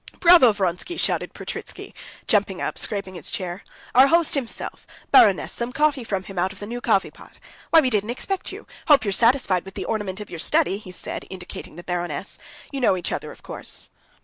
"Bravo! Vronsky!" shouted Petritsky, jumping up, scraping his chair. "Our host himself! Baroness, some coffee for him out of the new coffee pot. Why, we didn't expect you! Hope you're satisfied with the ornament of your study," he said, indicating the baroness. "You know each other, of course?"